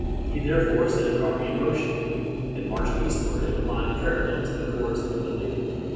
He therefore set his army in motion, and marched eastward in a line parallel to the course of the Lippe.